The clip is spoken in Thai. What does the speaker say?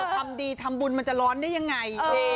ทำดีทำบุญมันจะร้อนได้ยังไง